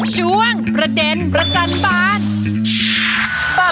ช่วงประเด็นประจันตร์ฟ้าน